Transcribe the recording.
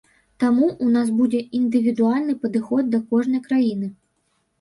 Таму, у нас будзе індывідуальны падыход да кожнай краіны.